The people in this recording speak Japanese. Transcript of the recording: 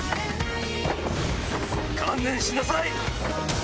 観念しなさい！